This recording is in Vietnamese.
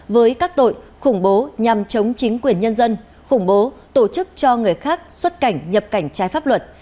với các tội khủng bố nhằm chống chính quyền nhân dân khủng bố tổ chức cho người khác xuất cảnh nhập cảnh trái pháp luật